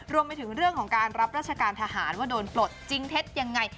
รวมไปถึงเรื่องของการรับราชการทหารว่าโดนปลดจริงเท็จยังไง